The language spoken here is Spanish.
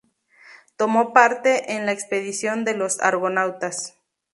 Tomó parte en la expedición de los Argonautas.